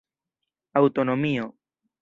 aŭtonomio